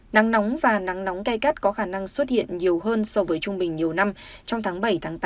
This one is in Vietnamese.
nắng nóng và nắng nóng gai gắt có khả năng xuất hiện nhiều hơn so với trung bình nhiều năm trong tháng bảy tháng tám